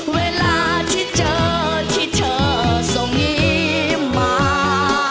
เวลาที่เจอที่เธอส่งยิ้มมา